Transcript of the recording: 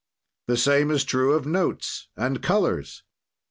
"The same is true of notes and colors.